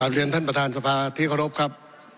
เรียนท่านประธานสภาที่เคารพครับ